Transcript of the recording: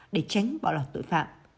để tránh bỏ lọt tội phạm